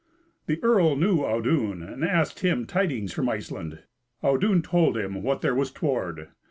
The earl knew Audun, and asked him tidings from Iceland. Audun told him what there was toward.